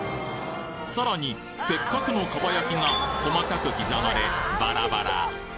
さらに、せっかくのかば焼きが細かく刻まればらばら。